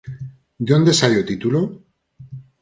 De onde sae o título?